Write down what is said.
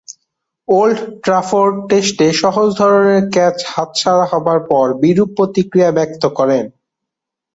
Old Trafford টেস্টে সহজ ধরনের ক্যাচ হাতছাড়া হবার পর বিরূপ প্রতিক্রিয়া ব্যক্ত করেন।